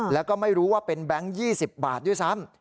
แล้วก็ไม่รู้ว่าเป็นแบงค์๒๐บาทด้วยซ้ำ